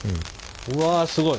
うわすごい。